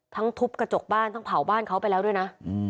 ทุบกระจกบ้านทั้งเผาบ้านเขาไปแล้วด้วยนะ